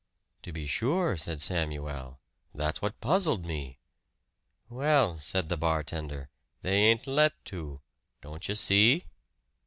"To be sure," said Samuel. "That's what puzzled me." "Well," said the bartender, "they ain't let to. Don't you see?"